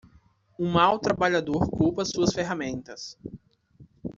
Um mau trabalhador culpa suas ferramentas.